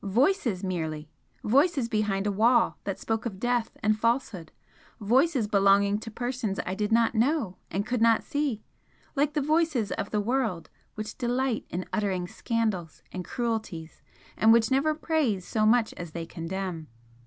Voices, merely! Voices behind a wall that spoke of death and falsehood, voices belonging to persons I did not know and could not see like the voices of the world which delight in uttering scandals and cruelties and which never praise so much as they condemn.